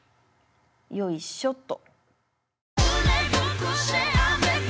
よいしょっと。